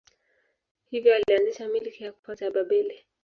Hivyo alianzisha milki ya kwanza ya Babeli.